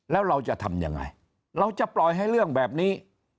แล้วเราจะทำยังไงเราจะปล่อยให้เรื่องแบบนี้